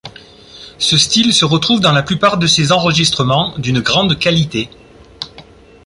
Ce style se retrouve dans la plupart de ses enregistrements, d'une grande qualité.